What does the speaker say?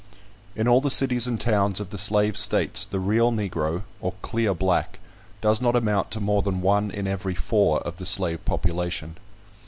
In all the cities and towns of the slave states, the real Negro, or clear black, does not amount to more than one in every four of the slave population.